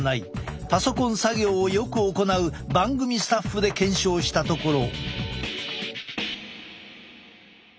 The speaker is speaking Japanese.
パソコン作業をよく行う番組スタッフで検証したところ。